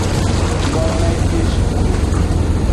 Gomejesuku.